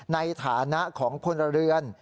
ในฐานะของพลเรือน